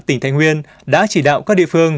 tỉnh thành nguyên đã chỉ đạo các địa phương